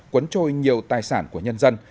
quấn trôi nhiều tài sản của nhân dân